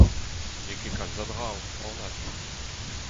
N'eo ket kalz a dra, anat.